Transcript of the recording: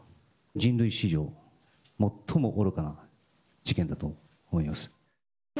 人類史上最も愚かな事件だと思います。